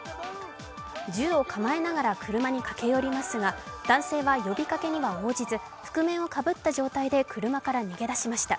銃を構えながら車に駆け寄りますが男性は呼びかけには応じず覆面をかぶった状態で車から逃げ出しました。